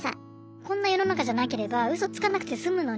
こんな世の中じゃなければうそつかなくてすむのに。